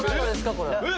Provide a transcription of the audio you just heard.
これ。